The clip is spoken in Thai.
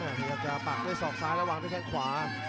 มันอะครับจะปากด้วยแถวซากซ้ายแล้วต้องปากด้วยแถวขวา